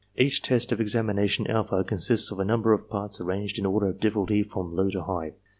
Each test of examination alpha consists of a number of parts arranged in order of difficulty from low to high.